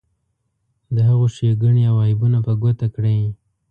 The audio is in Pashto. د هغو ښیګڼې او عیبونه په ګوته کړئ.